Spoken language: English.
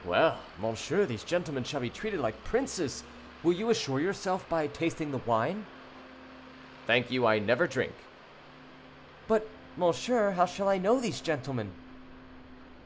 "Well, monsieur, these gentlemen shall be treated like princes; will you assure yourself by tasting the wine?" "Thank you, I never drink." "But, monsieur, how shall I know these gentlemen?"